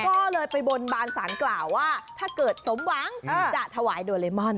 ก็เลยไปบนบานสารกล่าวว่าถ้าเกิดสมหวังจะถวายโดเรมอน